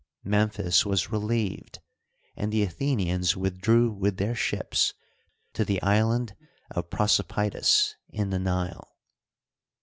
Memphis was relieved, and the Athenians withdrew with their snips to the island of Prosopitis, in the Nile.